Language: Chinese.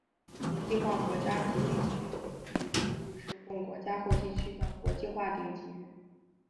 国际化国家及地区顶级域是供国家或地区的国际化顶级域。